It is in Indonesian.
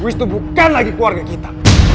wiss tuh bukan lagi keluarga kita